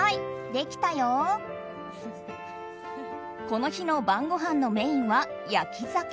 この日の晩ごはんのメインは焼き鮭。